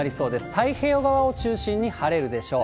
太平洋側を中心に晴れるでしょう。